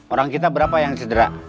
orang kita berapa yang cedera